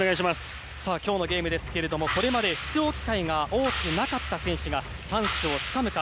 今日のゲームですけどもこれまで出場機会が多くなかった選手がチャンスをつかむか。